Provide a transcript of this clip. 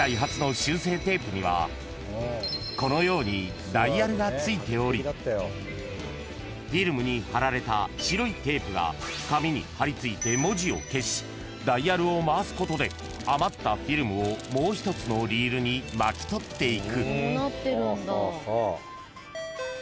［このようにダイヤルがついておりフィルムに貼られた白いテープが紙にはりついて文字を消しダイヤルを回すことで余ったフィルムをもう一つのリールに巻き取っていく］